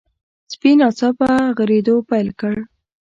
سپي ناڅاپه غريدو پيل کړ.